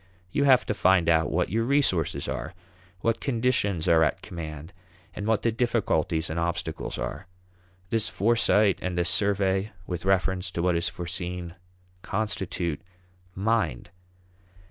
You have to find out what your resources are, what conditions are at command, and what the difficulties and obstacles are. This foresight and this survey with reference to what is foreseen constitute mind.